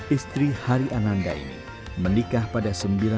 istri hari ananda ini menikah pada seribu sembilan ratus sembilan puluh